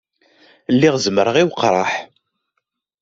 Lliɣ zemreɣ i weqraḥ.